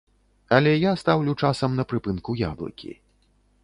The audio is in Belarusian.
Але я стаўлю часам на прыпынку яблыкі.